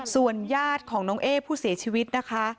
ส่วนญาติของน้องเอ๊ผู้เสียชีวิตนะคะ